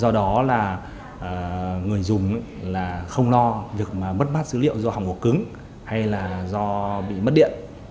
do đó là người dùng là không lo việc mà mất mát dữ liệu do hỏng hộp cứng hay là do bị mất điện